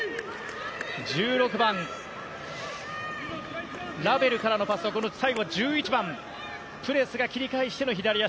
１６番、ラベルからのパスを最後、１１番のプレスが切り返しての左足。